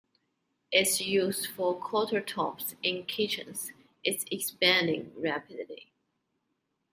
Its use for countertops in kitchens is expanding rapidly.